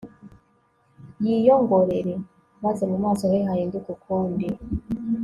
yiyongorere, maze mu maso he hahinduke ukundi